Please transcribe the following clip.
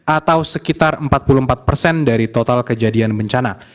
atau sekitar empat puluh empat persen dari total kejadian bencana